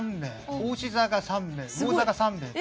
おうし座が３名、うお座が３名。